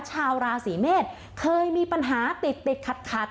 ชาวราศีเมษเคยมีปัญหาติดติดขัด